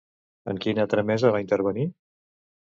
En quina tramesa va intervenir?